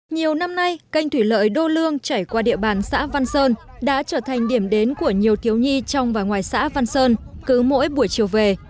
nhiều năm nay canh thủy lợi đô lương chảy qua địa bàn xã văn sơn đã trở thành điểm đến của nhiều thiếu nhi trong và ngoài xã văn sơn cứ mỗi buổi chiều về